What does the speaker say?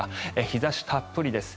日差したっぷりです。